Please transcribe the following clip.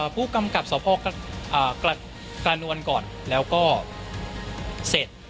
ผู้กำกับสพกระนวลก่อนแล้วก็เสร็จ